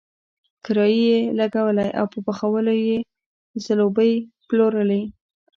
کرایي یې لګولی او په پخولو یې ځلوبۍ پلورلې.